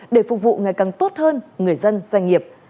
để phục vụ ngày càng tốt hơn người dân doanh nghiệp